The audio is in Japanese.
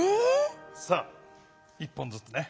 さあ１本ずつね。